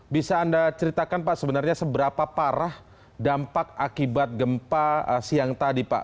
bisa anda ceritakan pak sebenarnya seberapa parah dampak akibat gempa siang tadi pak